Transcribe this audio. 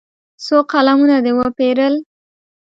څو قلمونه دې وپېرل.